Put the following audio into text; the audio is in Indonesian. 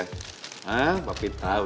hah papi tau